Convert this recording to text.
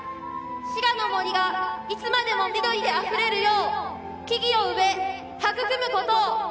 滋賀の森がいつまでも緑で溢れるよう木々を植え育むことを。